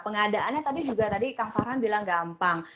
pengadaannya tadi juga tadi kang farhan bilang gampang